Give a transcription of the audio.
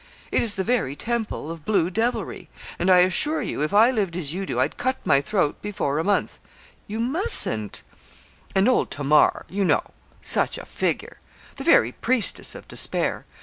It is the very temple of blue devilry, and I assure you if I lived as you do I'd cut my throat before a month you mustn't. And old Tamar, you know, such a figure! The very priestess of despair.